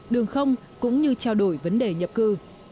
đường không cũng như trao đổi vấn đề nhập cư